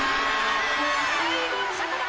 最後は迫田！